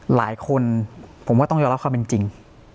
หลายคนผมว่าต้องยอมรับความเป็นจริง